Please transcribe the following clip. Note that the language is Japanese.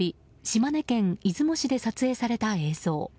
島根県出雲市で撮影された映像。